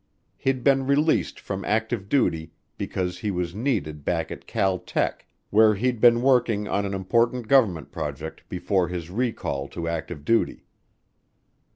He'd been released from active duty because he was needed back at Cal Tech, where he'd been working on an important government project before his recall to active duty.